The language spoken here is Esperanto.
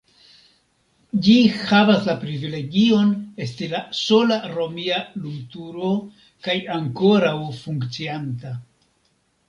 Ĝi havas la privilegion esti la sola romia lumturo kaj ankoraŭ funkcianta.